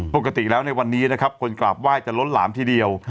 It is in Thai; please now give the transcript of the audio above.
ปกติแล้วในวันนี้นะครับคนกราบไหว้จะล้นหลามทีเดียว